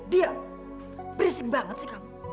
dia berisik banget sih kamu